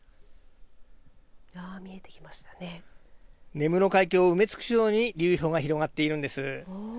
根室海峡を埋め尽くすように流氷が広がっているんです。